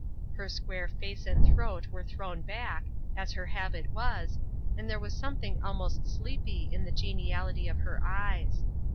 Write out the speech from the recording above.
Her square face and throat were thrown back, as her habit was, and there was something almost sleepy in the geniality of her eyes.